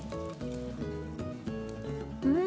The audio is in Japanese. うん！